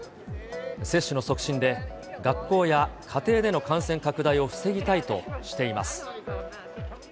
接種の促進で学校や家庭での感染拡大を防ぎたいとしています。